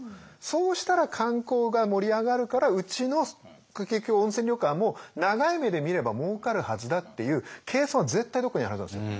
そうしたら観光が盛り上がるからうちの結局温泉旅館も長い目で見ればもうかるはずだっていう計算は絶対どこかにあるはずなんですよ。